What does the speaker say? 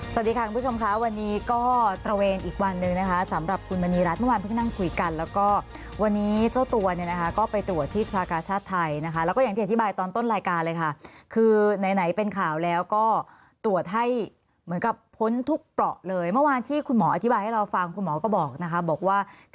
สวัสดีค่ะคุณผู้ชมค่ะวันนี้ก็ตระเวนอีกวันหนึ่งนะคะสำหรับคุณมณีรัฐเมื่อวานเพิ่งนั่งคุยกันแล้วก็วันนี้เจ้าตัวเนี่ยนะคะก็ไปตรวจที่สภากาชาติไทยนะคะแล้วก็อย่างที่อธิบายตอนต้นรายการเลยค่ะคือไหนเป็นข่าวแล้วก็ตรวจให้เหมือนกับพ้นทุกเปราะเลยเมื่อวานที่คุณหมออธิบายให้เราฟังคุณหมอก็บอกนะคะบอกว่า